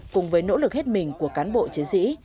cùng với nỗ lực hết mình của cán bộ chiến sĩ